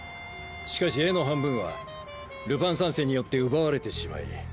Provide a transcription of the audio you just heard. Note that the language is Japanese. しかし絵の半分はルパン三世によって奪われてしまい。